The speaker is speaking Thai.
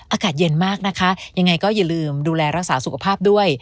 อากาศเย็นมากนะคะยังไงก็อย่าลืมดูแลรักษาสุขภาพด้วย